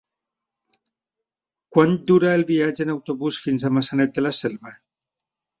Quant dura el viatge en autobús fins a Maçanet de la Selva?